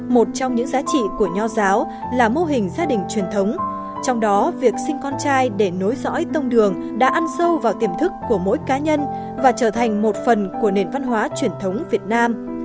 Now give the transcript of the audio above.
một trong những giá trị của nho giáo là mô hình gia đình truyền thống trong đó việc sinh con trai để nối dõi tông đường đã ăn sâu vào tiềm thức của mỗi cá nhân và trở thành một phần của nền văn hóa truyền thống việt nam